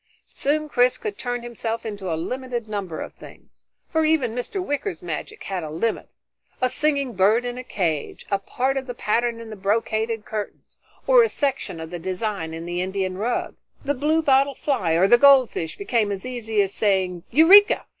Soon Chris could turn himself into a limited number of things, for even Mr. Wicker's magic had a limit: a singing bird in a cage, a part of the pattern in the brocaded curtains, or a section of the design in the Indian rug. The bluebottle fly or the goldfish became as easy as saying "Eureka!"